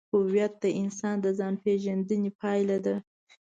هویت د انسان د ځانپېژندنې پایله ده.